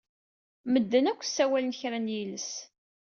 Meden akk ssawalen kra n yiles.